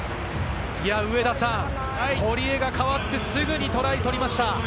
上田さん、堀江が代わって、すぐにトライを取りました。